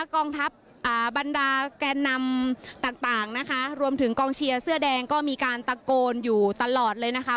กองทัพบรรดาแกนนำต่างนะคะรวมถึงกองเชียร์เสื้อแดงก็มีการตะโกนอยู่ตลอดเลยนะคะ